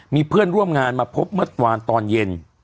มีเพื่อนร่วมงานมาพบเมื่อวานตอนเย็น